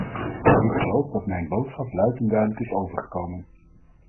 Ik geloof dat mijn boodschap luid en duidelijk is overgekomen.